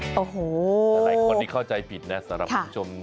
โอ้โหหลายคนที่เข้าใจผิดนะสำหรับคุณผู้ชม